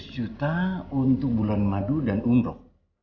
dua ratus juta untuk bulan madu dan umroh